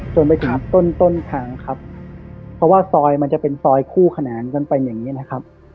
จนไปถึงต้นต้นทางครับเพราะว่าซอยมันจะเป็นซอยคู่ขนานกันเป็นอย่างนี้นะครับ